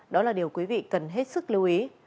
đó là điều quý vị cần hết sức lưu ý